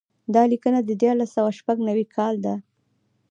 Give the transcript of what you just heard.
دا لیکنه د دیارلس سوه شپږ نوي کال ده.